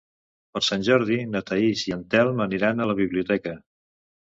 Per Sant Jordi na Thaís i en Telm aniran a la biblioteca.